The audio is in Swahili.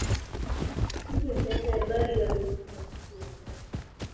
timu ya taifa ya mali waliibuka washindi wa tatu